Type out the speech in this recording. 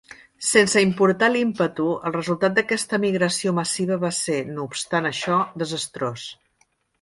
Sense importar l'ímpetu, el resultat d'aquesta migració massiva va ser, no obstant això, desastrós.